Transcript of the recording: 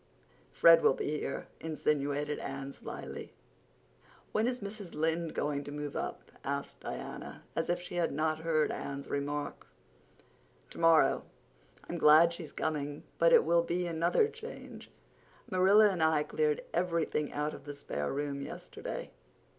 "Fred will be here," insinuated Anne slyly. "When is Mrs. Lynde going to move up?" asked Diana, as if she had not heard Anne's remark. "Tomorrow. I'm glad she's coming—but it will be another change. Marilla and I cleared everything out of the spare room yesterday.